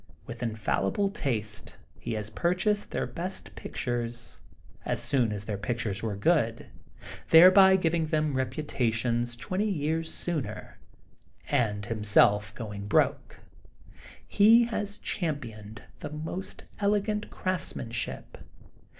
With infallible taste he has purchased their best pictures, as soon as their pictures were good, thereby giving them reputations twenty years sooner, and himself going broke. He has championed the most elegant crafts manship.